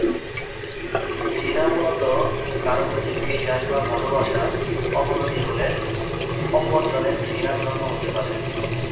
ঘৃণা মূলত কারো প্রতি বিশ্বাস বা ভালোবাসার অবনতি হলে অপর জনের ঘৃণা জন্ম হতে পারে।